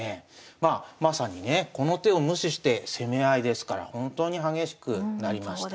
まあまさにねこの手を無視して攻め合いですから本当に激しくなりました。